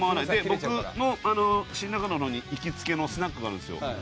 僕のあの新中野の方に行きつけのスナックがあるんですよ。